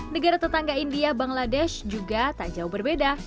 negara tetangga india bangladesh juga tak jauh berbeda